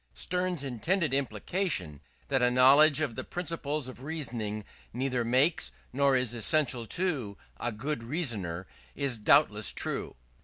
Sterne's intended implication that a knowledge of the principles of reasoning neither makes, nor is essential to, a good reasoner, is doubtless true.